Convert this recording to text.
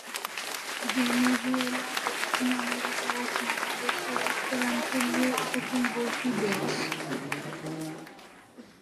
Venezuela দক্ষিণ America মহাদেশের উত্তরাঞ্চলীয় উপকূলবর্তী দেশ।